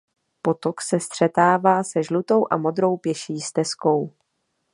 Potok se střetává se žlutou a modrou pěší stezkou.